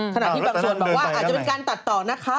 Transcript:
ขณะที่บางส่วนบอกว่าอาจจะเป็นการตัดต่อนะคะ